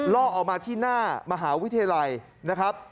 ล่อออกมาที่หน้ามหาวิทยาลัยนะครับ